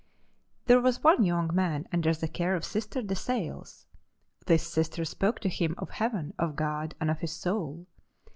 "There was one young man under the care of Sister De Sales. This Sister spoke to him of heaven, of God and of his soul.